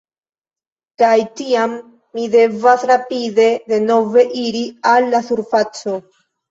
Kaj tiam mi devas rapide denove iri al la surfaco.